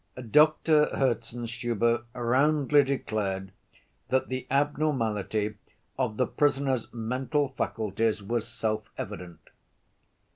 Doctor Herzenstube roundly declared that the abnormality of the prisoner's mental faculties was self‐evident.